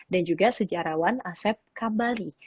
dan juga sejarawan asep kabali